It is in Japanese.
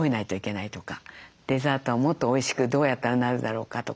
デザートはもっとおいしくどうやったらなるだろうかとか。